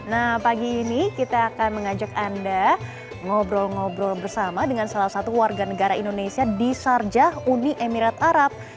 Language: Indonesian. nah pagi ini kita akan mengajak anda ngobrol ngobrol bersama dengan salah satu warga negara indonesia di sarjah uni emirat arab